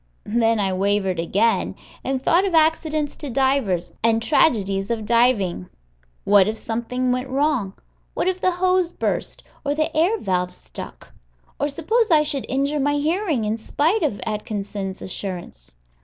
Then I wavered again, and thought of accidents to divers, and tragedies of diving. What if something went wrong! What if the hose burst or the air valve stuck! Or suppose I should injure my hearing, in spite of Atkinson's assurance?